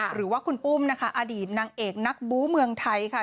หรือว่าคุณปุ้มนะคะอดีตนางเอกนักบู้เมืองไทยค่ะ